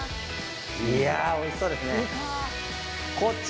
おいしそうですね。